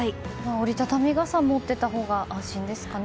折り畳み傘を持っていたほうが安心ですかね。